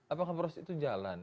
apakah proses itu jalan